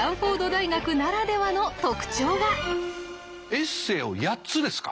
エッセーを８つですか。